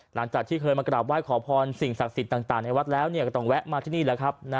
หลังจากที่เคยมากราบไหว้ขอพรสิ่งศักดิ์สิทธิ์ต่างในวัดแล้วก็ต้องแวะมาที่นี่แหละครับ